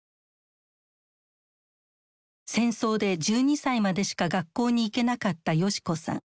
戦争で１２歳までしか学校に行けなかった世志子さん。